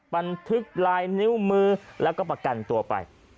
บันทึกลายนิ้วมือแล้วก็ประกันตัวไป